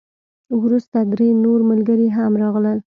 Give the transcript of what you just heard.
وروسته درې نور ملګري هم راغلل.